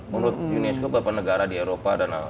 menurut unesco beberapa negara di eropa dan amerika